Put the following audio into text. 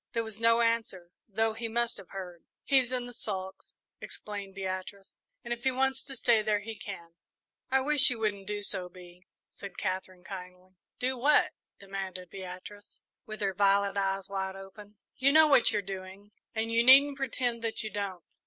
There was no answer, though he must have heard. "He's in the sulks," explained Beatrice, "and if he wants to stay there, he can." "I wish you wouldn't do so, Bee," said Katherine, kindly. "Do what?" demanded Beatrice, with her violet eyes wide open. "You know what you're doing, and you needn't pretend that you don't."